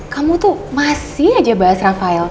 kamu tuh masih aja bahas rafael